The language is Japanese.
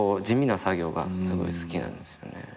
地味な作業がすごい好きなんですよね。